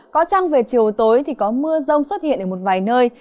có trăng về chiều tối thì có mưa rông xuất hiện ở một vài nơi